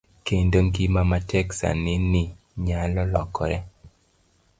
Kendo ngima matek sani ni nyalo lokore.